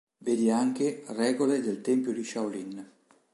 Vedi anche: Regole del Tempio di Shaolin.